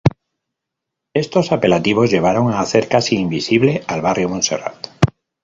Estos apelativos llevaron a hacer casi invisible al Barrio Montserrat.